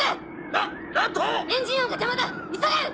な何と⁉エンジン音が邪魔だ急げ！